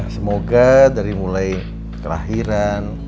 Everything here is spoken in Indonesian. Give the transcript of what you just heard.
semoga dari mulai kelahiran